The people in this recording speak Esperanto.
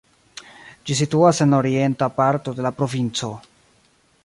Ĝi situas en la orienta parto de la provinco.